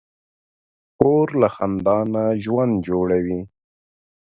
خور له خندا نه ژوند جوړوي.